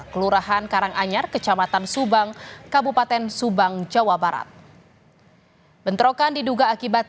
kelurahan karanganyar kecamatan subang kabupaten subang jawa barat bentrokan diduga akibat